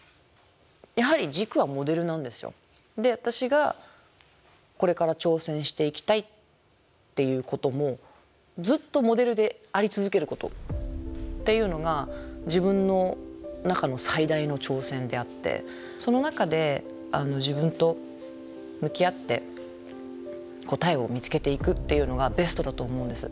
で私がこれから挑戦していきたいっていうこともずっとモデルであり続けることっていうのが自分の中の最大の挑戦であってその中で自分と向き合って答えを見つけていくっていうのがベストだと思うんです。